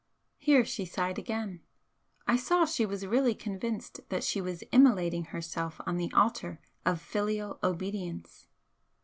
Here she sighed again. I saw she was really convinced that she was immolating herself on the altar of filial obedience.